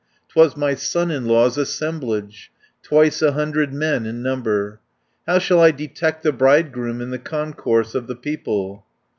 'Twas my son in law's assemblage, Twice a hundred men in number. "How shall I detect the bridegroom In the concourse of the people?